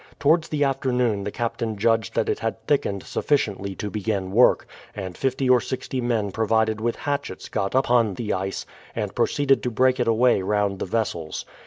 Towards the afternoon the captain judged that it had thickened sufficiently to begin work, and fifty or sixty men provided with hatchets got upon the ice and proceeded to break it away round the vessels.